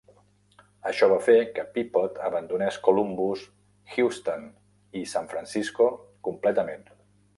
Això va fer que Peapod abandonés Columbus, Houston i San Francisco completament.